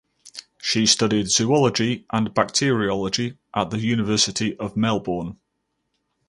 She studied zoology and bacteriology at the University of Melbourne.